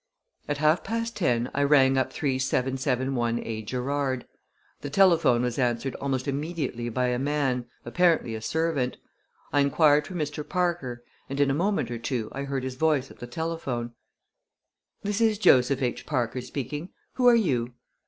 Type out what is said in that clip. At half past ten I rang up 3771A Gerrard. The telephone was answered almost immediately by a man, apparently a servant. I inquired for Mr. Parker and in a moment or two I heard his voice at the telephone. "This is Joseph H. Parker speaking. Who are you?"